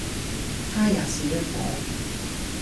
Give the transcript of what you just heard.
他也是一夥，